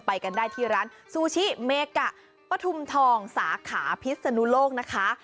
ไปกันได้ที่ร้านซูชิเมกะปฐุมทองสาขาพิศนุโลกนะคะ